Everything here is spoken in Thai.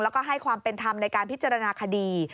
แล้วก็ให้ความเป็นธรรมในการพิจารณาคดี